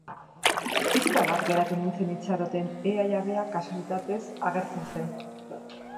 Pixka bat geratu nintzen itxaroten, ea jabea, kasualitatez, agertzen zen.